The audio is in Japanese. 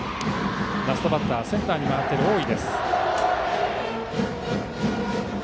ラストバッターセンターに回っている大井。